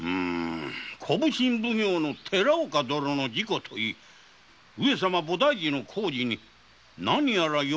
小普請奉行の寺岡殿の事故といい上様菩提寺の工事に何やらよからぬたくらみごとでも？